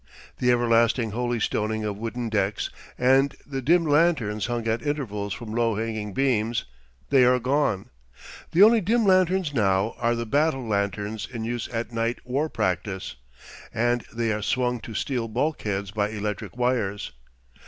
The everlasting holystoning of wooden decks and the dim lanterns hung at intervals from low hanging beams they are gone. The only dim lanterns now are the "battle lanterns" in use at night war practice; and they are swung to steel bulkheads by electric wires.